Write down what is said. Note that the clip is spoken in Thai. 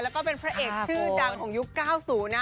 แล้วก็เป็นพระเอกชื่อดังของยุค๙๐นะ